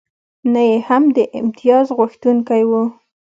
نه یې هم د امتیازغوښتونکی و.